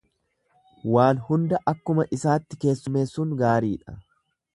Waan hunda akkuma isaatti keessummeessuun gaariidha.